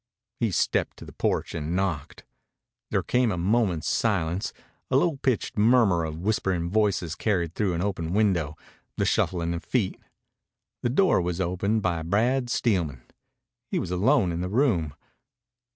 He stepped to the porch and knocked. There came a moment's silence, a low pitched murmur of whispering voices carried through an open window, the shuffling of feet. The door was opened by Brad Steelman. He was alone in the room.